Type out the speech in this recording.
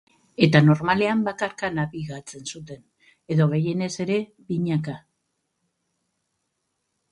Eta normalean bakarka nabigatzen zuten, edo gehienez ere binaka.